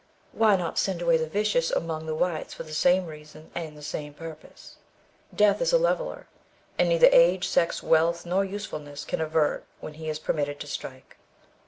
Why not send away the vicious among the whites for the same reason, and the same purpose?" Death is a leveller, and neither age, sex, wealth, nor usefulness can avert when he is permitted to strike.